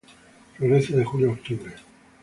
Florece de julio a octubre.